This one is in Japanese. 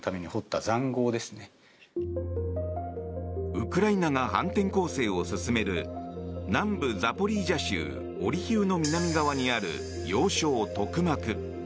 ウクライナが反転攻勢を進める南部ザポリージャ州オリヒウの南側にある要衝トクマク。